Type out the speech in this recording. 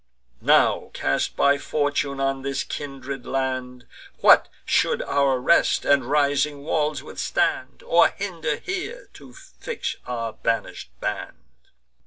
Now cast by fortune on this kindred land, What should our rest and rising walls withstand, Or hinder here to fix our banish'd band?